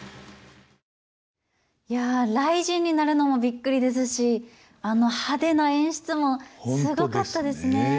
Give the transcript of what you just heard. いや雷神になるのもびっくりですしあの派手な演出もすごかったですね。